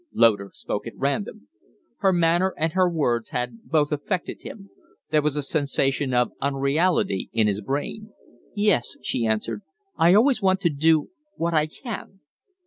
Loder spoke at random. Her manner and her words had both affected him. There was a sensation of unreality in his brain. "Yes," she answered. "I always want to do what I can."